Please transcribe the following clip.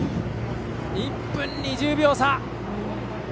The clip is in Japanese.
１分２０秒差。